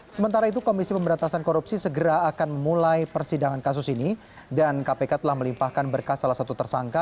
sementara itu komisi pemberantasan korupsi segera akan memulai persidangan kasus ini dan kpk telah melimpahkan berkas salah satu tersangka